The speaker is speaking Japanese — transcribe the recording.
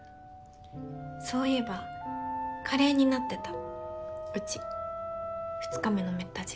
そういえばカレーになってたうち２日目のめった汁。